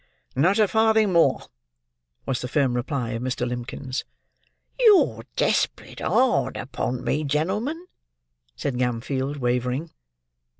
"Not a farthing more," was the firm reply of Mr. Limbkins. "You're desperate hard upon me, gen'l'men," said Gamfield, wavering.